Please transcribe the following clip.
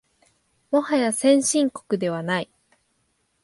もはや先進国ではない